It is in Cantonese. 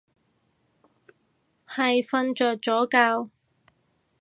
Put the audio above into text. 係瞓着咗覺